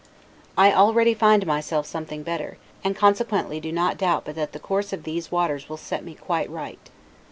I already find myself something better; and consequently do not doubt but that the course of these waters will set me quite right.